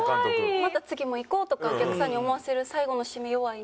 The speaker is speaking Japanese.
また次も行こうとかお客さんに思わせる最後のシメ弱いな。